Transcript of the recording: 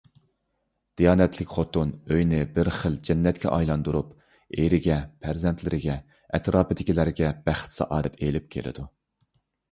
دىيانەتلىك خوتۇن ئۆينى بىر خىل جەننەتكە ئايلاندۇرۇپ، ئېرىگە، پەرزەنتلىرىگە، ئەتراپىدىكىلەرگە بەخت-سائادەت ئېلىپ كېلىدۇ.